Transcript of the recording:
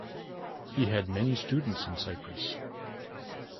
He had many students in Cyprus.